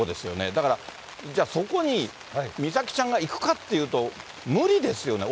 だからじゃあ、そこに美咲ちゃんが行くかって言ったら、無理ですよね？